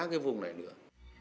cái vùng này nữa